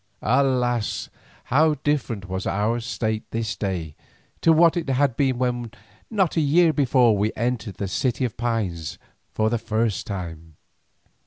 Alas! how different was our state this day to what it had been when not a year before we entered the City of Pines for the first time.